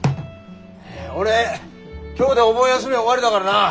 俺今日でお盆休み終わりだからな。